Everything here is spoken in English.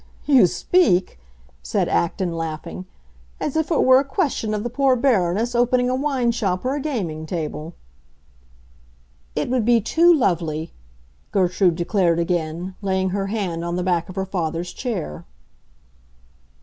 "You speak," said Acton, laughing, "as if it were a question of the poor Baroness opening a wine shop or a gaming table." "It would be too lovely!" Gertrude declared again, laying her hand on the back of her father's chair.